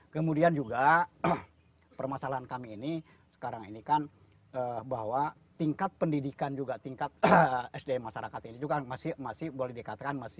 kemudian juga permasalahan kami ini sekarang ini kan bahwa tingkat pendidikan juga tingkat sdm masyarakat ini juga masih boleh dikatakan masih